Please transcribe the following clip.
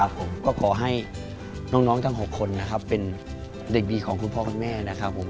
ผมก็ขอให้น้องทั้ง๖คนนะครับเป็นเด็กดีของคุณพ่อคุณแม่นะครับผม